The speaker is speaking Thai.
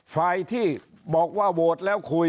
ฝ่ายที่บอกว่าโหวตแล้วคุย